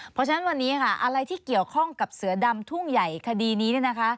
เพราะฉะนั้นวันนี้ค่ะอะไรที่เกี่ยวข้องกับเสือดำทุ่งใหญ่คดีนี้